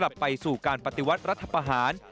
กลับไปสู่การปฏิวัติรัฐภาภาษณ์